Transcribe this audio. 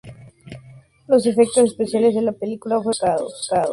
Los efectos especiales de la película fueron contratados a Weta Workshop.